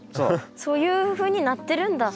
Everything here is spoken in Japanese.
そういうふうになってるんだ。